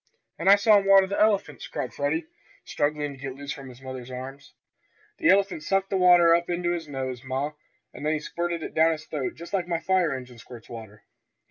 "And I saw 'em water the elephants!" cried Freddie, struggling to get loose from his mother's arms. "The elephant sucked the water up into his nose, ma, and then he squirted it down his throat just like my fire engine squirts water.